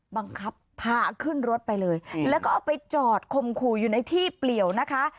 บังคับพาขึ้นรถไปเลยแล้วก็เอาไปจอดคมขู่อยู่ในที่เปลี่ยวนะคะ